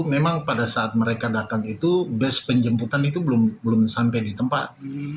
memang pada saat mereka datang itu bus penjemputan itu belum sampai di tempat